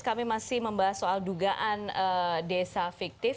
kami masih membahas soal dugaan desa fiktif